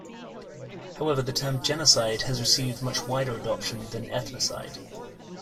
However, the term genocide has received much wider adoption than ethnocide.